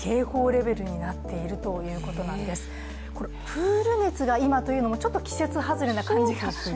プール熱が今というのもちょっと季節外れな感じが。